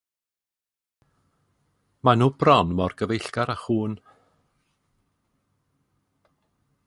Maen nhw bron mor gyfeillgar â chŵn.